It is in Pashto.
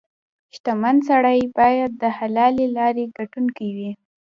• شتمن سړی باید د حلالې لارې ګټونکې وي.